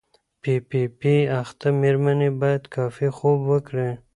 پی پي پي اخته مېرمنې باید کافي خوب وکړي.